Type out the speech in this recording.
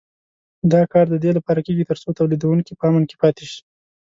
دا کار د دې لپاره کېږي تر څو تولیدوونکي په امن کې پاتې شي.